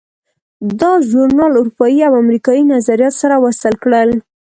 دا ژورنال اروپایي او امریکایي نظریات سره وصل کړل.